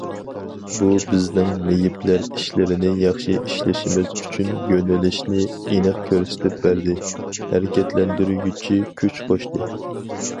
بۇ بىزنىڭ مېيىپلەر ئىشلىرىنى ياخشى ئىشلىشىمىز ئۈچۈن يۆنىلىشنى ئېنىق كۆرسىتىپ بەردى، ھەرىكەتلەندۈرگۈچى كۈچ قوشتى.